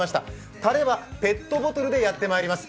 たれはペットボトルでやってまいります。